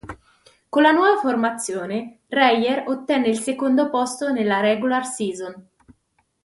Con la nuova formazione, la Reyer ottenne il secondo posto nella "regular season".